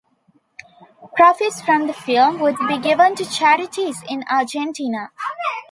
Profits from the film would be given to charities in Argentina.